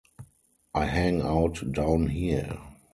I hang out down here.